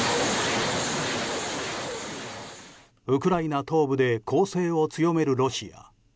ウクライナ東部で攻勢を強めるロシア。